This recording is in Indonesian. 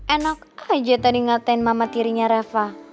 enak aja tadi ngatain mama tirinya rafa